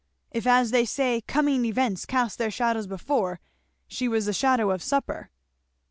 If as they say 'coming events cast their shadows before,' she was the shadow of supper."